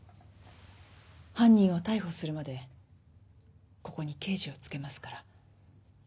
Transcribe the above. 犯人を逮捕するまでここに刑事を付けますから。